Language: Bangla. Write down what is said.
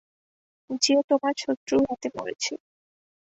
যে তোমার শত্রুর হাতে মরেছে।